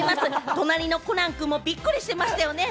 隣のコナン君もびっくりしていましたよね。